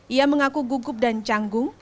ia mengaku gugup dan canggung